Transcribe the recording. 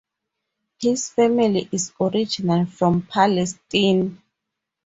His family is originally from Palestine.